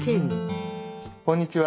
こんにちは